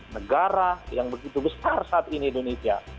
negara yang begitu besar saat ini indonesia